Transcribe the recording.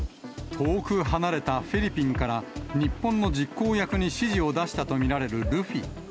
遠く離れたフィリピンから、日本の実行役に指示を出したと見られる、ルフィ。